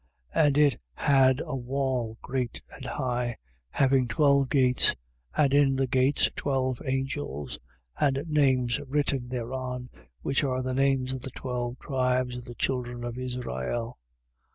21:12. And it had a wall great and high, having twelve gates, and in the gates twelve angels, and names written thereon, which are the names of the twelve tribes of the children of Israel.